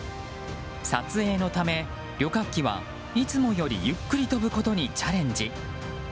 撮影のため、旅客機はいつもよりゆっくり飛ぶことにチャレンジ。